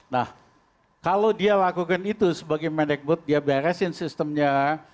nah kalau dia lakukan itu sebagai mendikbud dia beresin sistemnya